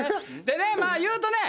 でねまあ言うとね